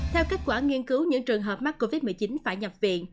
theo kết quả nghiên cứu những trường hợp mắc covid một mươi chín phải nhập viện